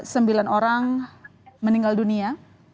sembilan orang meninggal dunia